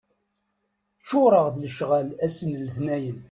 Ččuṛeɣ d lecɣal ass n letnayen.